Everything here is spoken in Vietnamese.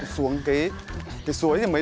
xuống cái suối này